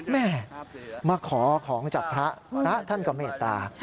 แหมมาขอของจับพระพระท่านก็ไม่อิตา